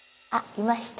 いました。